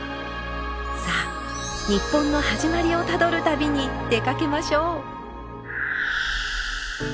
さあ日本の始まりをたどる旅に出かけましょう。